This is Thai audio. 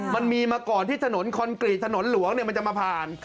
มันมีมาก่อนที่ถนนคอนกรีตถนนหลวงมันจะมาผ่าน